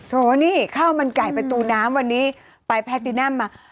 โหนี่ข้าวมันไก่ประตูน้ำวันนี้ไปแพทตินัมมา